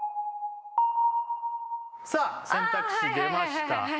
さあ選択肢出ましたああ